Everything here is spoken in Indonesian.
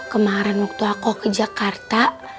kemarin waktu aku ke jakarta